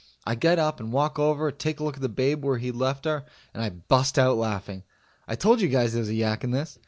I get up and walk over and take a look at the babe where he'd left her and I bust out laughing. I told you guys there was a yak in this.